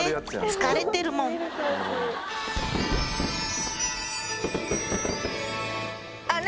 疲れてるもんあっ